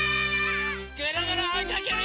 ぐるぐるおいかけるよ！